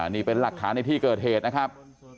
นี่เป็นหลักฐานในที่เกิดเหตุนะครับ